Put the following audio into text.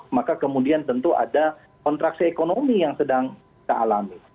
maka kemudian tentu ada kontraksi ekonomi yang sedang kealami